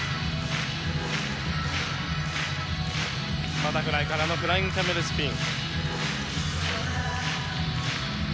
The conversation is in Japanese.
バタフライからのフライングキャメルスピン。